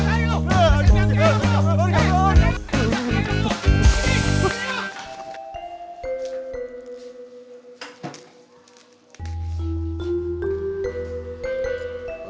jangan jangan jangan